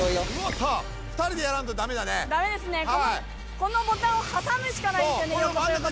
このボタンを挟むしかないですよね。